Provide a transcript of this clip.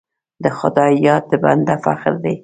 د خدای یاد د بنده فخر دی.